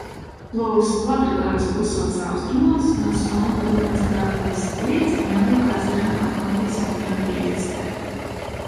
Plūst Labradoras pussalas austrumos no Smolvuda ūdenskrātuves līdz Melvila ezeram Atlantijas okeāna piekrastē.